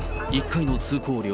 １回の通行量